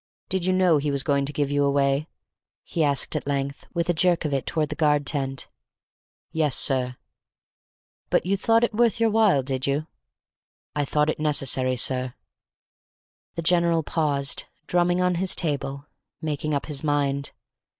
"Did you know he was going to give you away?" he asked at length, with a jerk of it toward the guard tent. "Yes, sir." "But you thought it worth while, did you?" "I thought it necessary, sir." The General paused, drumming on his table, making up his mind.